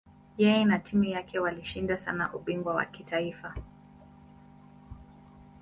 Yeye na timu yake walishinda sana ubingwa wa kitaifa.